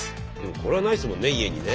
これはないですもんね